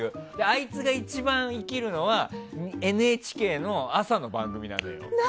あいつが一番生きるのはＮＨＫの朝の番組なの。